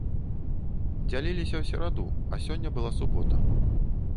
Дзяліліся ў сераду, а сёння была субота.